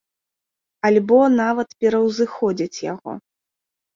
Альбо нават пераўзыходзяць яго.